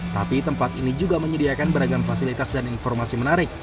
tapi tempat ini juga menyediakan beragam fasilitas dan informasi menarik